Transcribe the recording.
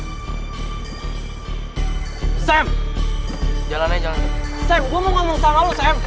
sam jalan aja